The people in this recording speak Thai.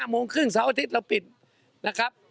โมงครึ่งเสาร์อาทิตย์เราปิดนะครับ